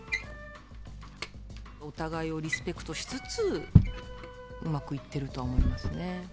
お互いをリスペクトしつつ、うまくいってるとは思いますね。